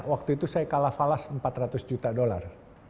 waktu itu saya kalah falas empat ratus juta dolar